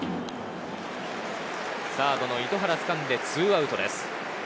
サードの糸原がつかんで２アウトです。